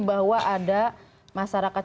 bahwa ada masyarakat